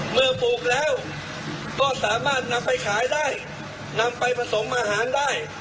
ปลูกแล้วก็สามารถนำไปขายได้นำไปผสมอาหารได้